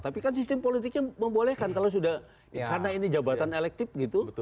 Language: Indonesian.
tapi kan sistem politiknya membolehkan kalau sudah karena ini jabatan elektif gitu